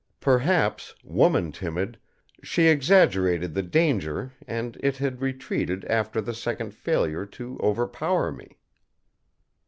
Perhaps, woman timid, she exaggerated the danger and It had retreated after the second failure to overpower me.